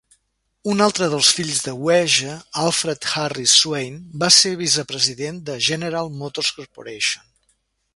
Un altre dels fills de Wager, Alfred Harris Swayne, va ser vicepresident de General Motors Corporation.